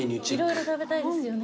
色々食べたいですよね。